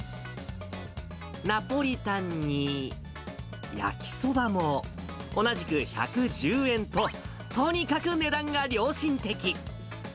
ナポリタンに焼きそばも同じく１１０円と、とにかく値段が良心的。